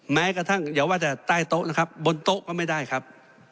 แม้กระทั่งอย่าว่าแต่ใต้โต๊ะนะครับบนโต๊ะก็ไม่ได้ครับ